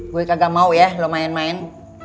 gue kagak mau ya lo main main